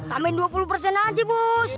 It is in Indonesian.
tambahin dua puluh persen aja bu